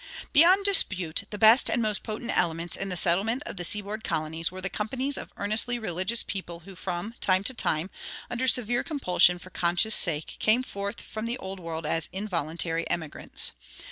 Beyond dispute, the best and most potent elements in the settlement of the seaboard colonies were the companies of earnestly religious people who from time to time, under severe compulsion for conscience' sake, came forth from the Old World as involuntary emigrants.